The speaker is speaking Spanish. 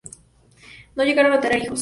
No llegaron a tener hijos.